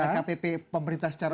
lkpp pemerintah secara umum